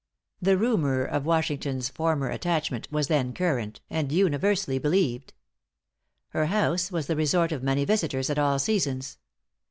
The rumor of Washington's former attachment was then current, and universally believed. Her house was the resort of many visitors at all seasons.